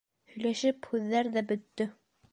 Һөйләшеп һүҙҙәр ҙә бөттө.